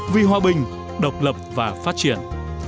vì hòa bình độc lập và phát triển